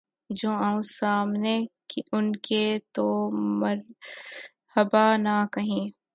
جو آؤں سامنے ان کے‘ تو مرحبا نہ کہیں